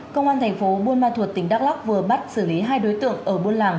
công an thành phố buôn ma thuột tỉnh đắk lóc vừa bắt xử lý hai đối tượng ở buôn làng